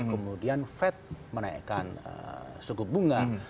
kemudian fed menaikkan suku bunga